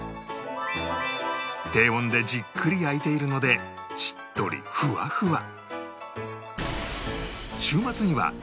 低温でじっくり焼いているのでしっとりフワフワ